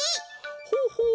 ほうほう！